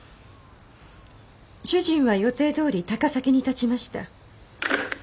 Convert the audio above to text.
主人は予定どおり高崎にたちました。